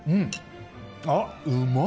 あっ、うまっ！